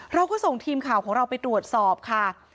เราก็ส่งทีมข่าวของเราไปตรวจสอบค่ะ